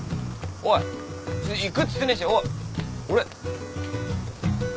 おいちょっと行くっつってねえしおい俺。